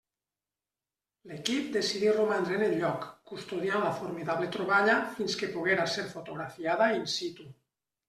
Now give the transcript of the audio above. L'equip decidí romandre en el lloc, custodiant la formidable troballa fins que poguera ser fotografiada in situ.